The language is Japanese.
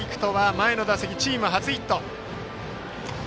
前の打席、チーム初ヒット。